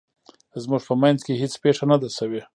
زموږ په مینځ کې هیڅ پیښه نه ده شوې